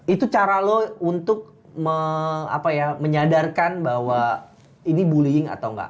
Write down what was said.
itu cara lo untuk menyadarkan bahwa ini bullying atau nggak